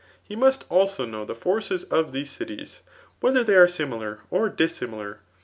He iqiust; also know the feices of these ernes, whether they are similar or dissi* nrilar.